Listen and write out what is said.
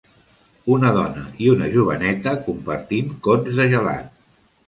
Una dona i una joveneta compartint cons de gelat